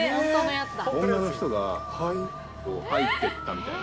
女の人が部屋に入っていったみたいな。